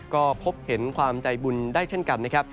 ก็พบเห็นความใจบุญได้เช่นกันนะครับ